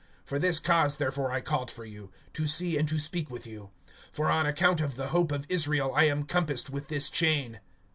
(20)For this cause therefore I called for you, to see and to speak with you; for on account of the hope of Israel I am compassed with this chain.